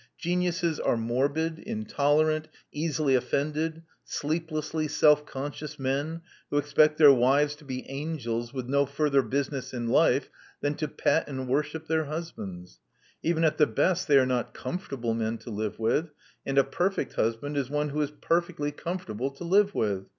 Geniuses are morbid, intolerant, easily offended, sleeplessly self conscious men, who expect their wives to be angels with no further business in life than to pet and worship their husbands. Even at the best they are not comfortable men to live with; and a perfect husband is one who is perfectly comfortable to live with.